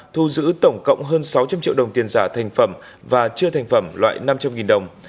thu giữ tổng cộng hơn sáu trăm linh triệu đồng tiền giả thành phẩm và chưa thành phẩm loại năm trăm linh đồng